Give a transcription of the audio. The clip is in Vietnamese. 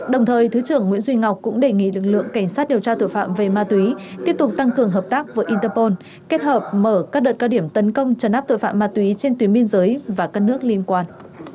đồng thời thứ trưởng nguyễn duy ngọc cũng đề nghị lực lượng cảnh sát điều tra tội phạm về ma túy tiếp tục tăng cường hợp tác với interpol kết hợp mở các đợt cao điểm tấn công trấn áp tội phạm ma túy trên tuyến biên giới và các nước liên quan